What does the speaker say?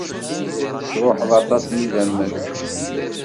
Tesruḥeḍ aṭas n yidammen.